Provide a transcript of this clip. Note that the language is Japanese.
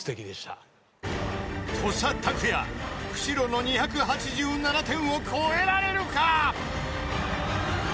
［土佐卓也久代の２８７点を超えられるか？］